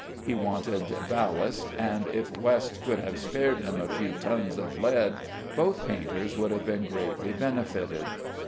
He wanted ballast, and if West could have spared him a few tons of lead, both painters would have been greatly benefited.